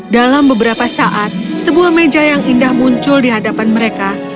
dalam beberapa saat sebuah meja yang indah muncul di hadapan mereka